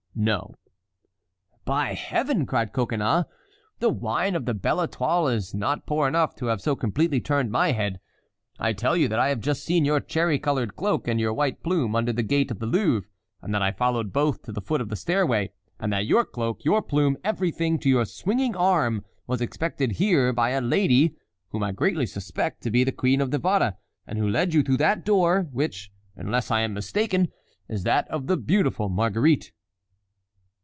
"No." "By Heaven!" cried Coconnas, "the wine of the Belle Étoile is not poor enough to have so completely turned my head. I tell you that I have just seen your cherry colored cloak and your white plume under the gate of the Louvre, that I followed both to the foot of the stairway, and that your cloak, your plume, everything, to your swinging arm, was expected here by a lady whom I greatly suspect to be the Queen of Navarre, and who led you through that door, which, unless I am mistaken, is that of the beautiful Marguerite."